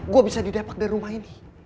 gue bisa didapak dari rumah ini